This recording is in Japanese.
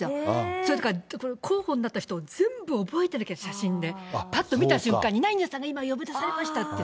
それだから、候補になった人を全部覚えてなきゃ写真で、ぱっと見た瞬間に、何々さんが今、呼び出されましたって。